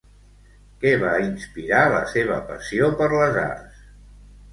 Què va inspirar la seva passió per les arts?